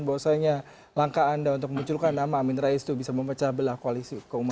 bahwasanya langkah anda untuk memunculkan nama amin rais itu bisa memecah belah koalisi keumatan